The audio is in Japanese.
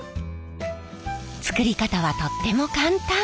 作り方はとっても簡単。